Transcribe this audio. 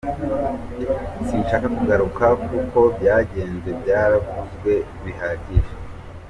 Sinshaka kugaruka ku uko byagenze byaravuzwe bihagije.